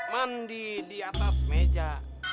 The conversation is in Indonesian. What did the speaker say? mandi di atas meja